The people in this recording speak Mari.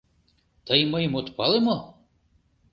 — Тый мыйым от пале мо?